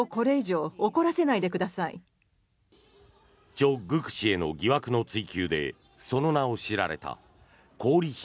チョ・グク氏への疑惑の追及でその名を知られた氷姫